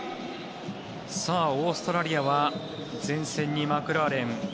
オーストラリアは前線にマクラーレン。